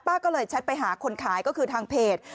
ก็เลยแชทไปหาคนขายก็คือทางเพจ